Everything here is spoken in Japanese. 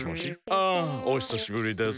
あ！おひさしぶりです。